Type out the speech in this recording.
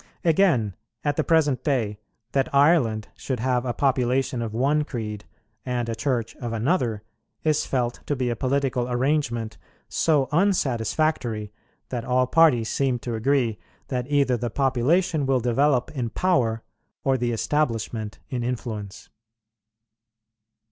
Again, at the present day, that Ireland should have a population of one creed, and a Church of another, is felt to be a political arrangement so unsatisfactory, that all parties seem to agree that either the population will develope in power or the Establishment in influence.